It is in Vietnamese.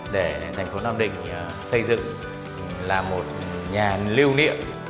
để thành phố nam định xây dựng là một nhà lưu niệm